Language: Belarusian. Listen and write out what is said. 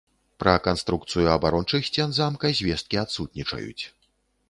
Пра канструкцыю абарончых сцен замка звесткі адсутнічаюць.